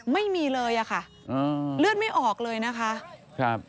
ไม่มีเลยอะค่ะเลือดไม่ออกเลยนะคะครับ